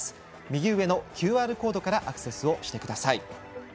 右上のＱＲコードからアクセスをしてください。